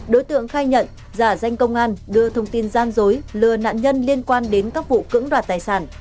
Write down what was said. đối tượng khai nhận giả danh công an đưa thông tin gian dối lừa nạn nhân liên quan đến các vụ cưỡng đoạt tài sản